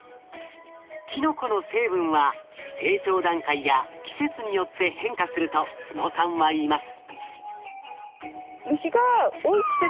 キノコの成分は成長段階や季節によって変化すると都野さんはいいます。